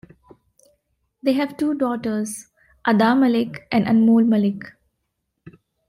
They have two daughters, Ada Malik and Anmol Malik.